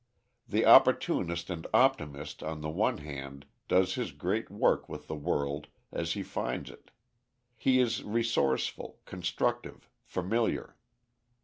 The opportunist and optimist on the one hand does his great work with the world as he finds it: he is resourceful, constructive, familiar.